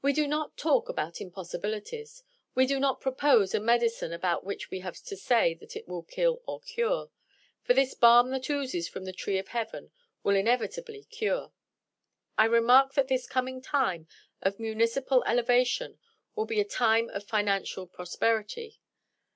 We do not talk about impossibilities. We do not propose a medicine about which we have to say that it will "kill or cure." For this balm that oozes from the tree of heaven will inevitably cure. I remark that this coming time of municipal elevation will be a time of financial prosperity.